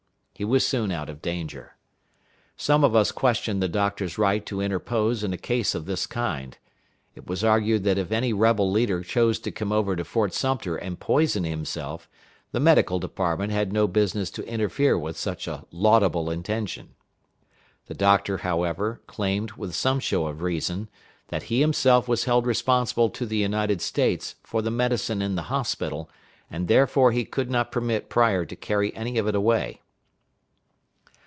He was soon out of danger. Some of us questioned the doctor's right to interpose in a case of this kind. It was argued that if any rebel leader chose to come over to Fort Sumter and poison himself, the Medical Department had no business to interfere with such a laudable intention. The doctor, however, claimed, with some show of reason, that he himself was held responsible to the United States for the medicine in the hospital, and therefore he could not permit Pryor to carry any of it away.